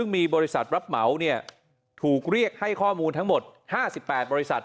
มีบริษัทรับเหมาถูกเรียกให้ข้อมูลทั้งหมด๕๘บริษัท